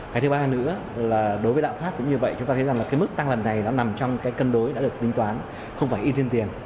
cái thứ ba nữa là đối với đạo pháp cũng như vậy chúng ta thấy rằng là cái mức tăng lần này nó nằm trong cái cân đối đã được tính toán không phải in thêm tiền